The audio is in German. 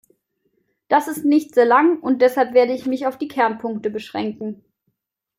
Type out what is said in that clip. Das ist nicht sehr lang, und deshalb werde ich mich auf die Kernpunkte beschränken.